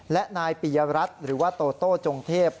และนายปียรัฐหรือว่าโตโต้จงเทพ